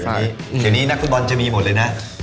เดี๋ยวนี้นักฟุตบอลจะมีหมดเลยนะ